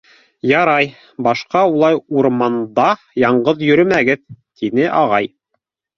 — Ярай, башҡа улай урманда яңғыҙ йөрөмәгеҙ, — тине ағай.